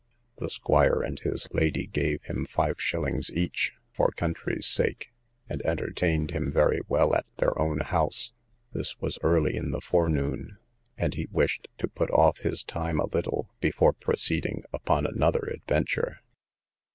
The squire and his lady gave him five shillings each, for country's sake, and entertained him very well at their own house. This was early in the forenoon, and he wished to put off his time a little, before proceeding upon another adventure.